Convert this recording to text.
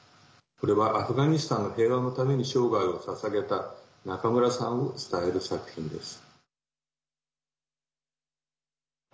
これはアフガニスタンの平和のために生涯をささげた中村さんを伝える作品です。